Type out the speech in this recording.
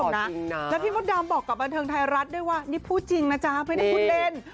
แล้วพี่มดดำบอกกับบันเทิงไทยรัฐด้วยว่านี่พูดจริงนะจ๊ะไม่ได้พูดเล่น